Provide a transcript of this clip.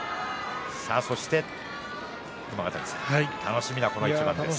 そして、熊ヶ谷さん楽しみな一番ですね。